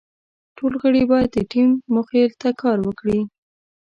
ټول غړي باید د ټیم موخې ته کار وکړي.